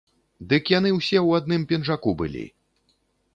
Дык яны ўсе ў адным пінжаку былі!